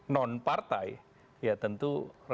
non partai ya tentu